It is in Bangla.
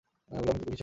বললাম তো, কিছু না।